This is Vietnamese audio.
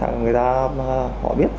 người ta họ biết